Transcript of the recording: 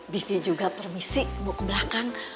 bibi juga permisi mau ke belakang